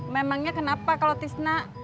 memangnya kenapa kalo tisna